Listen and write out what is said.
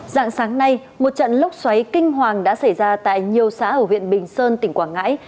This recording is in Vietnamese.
dạng sáng nay một trận lốc xoáy kinh hoàng đã xảy ra tại nhiều xã ở huyện bình sơn tỉnh quảng ngãi